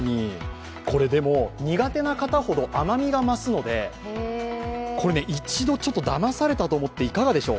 苦手な方ほど甘みが増すので一度だまされたと思って、いかがでしょう。